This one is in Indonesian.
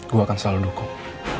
gue akan selalu dukung